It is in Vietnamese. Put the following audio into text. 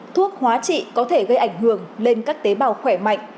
thuốc hóa trị có thể gây ảnh hưởng lên các tế bào khỏe mạnh